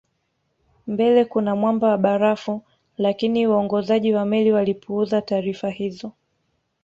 Mbele kuna mwamba wa barafu lakini waongozaji wa meli walipuuza taarifa hizo